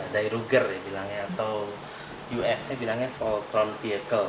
dairuger ya bilangnya atau us nya bilangnya voltron vehicle